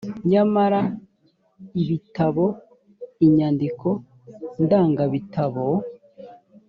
nyamara ibitabo inyandiko ndangabitabo